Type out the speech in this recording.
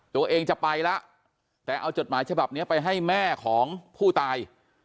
ตัวเองจะไปแล้วแต่เอาจดหมายฉบับนี้ไปให้แม่ของผู้ตาย